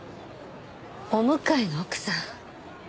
お向かいの奥さん。